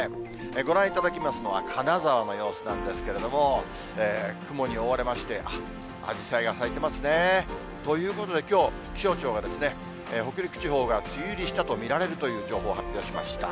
ご覧いただきますのは、金沢の様子なんですけれども、雲に覆われまして、あっ、アジサイが咲いてますね。ということで、きょう、気象庁は北陸地方が梅雨入りしたと見られるという情報を発表しました。